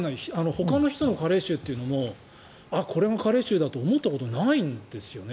ほかの人の加齢臭っていうのもこれが加齢臭だと僕、思ったことないんですよね。